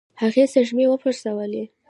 هغې سږمې وپړسولې.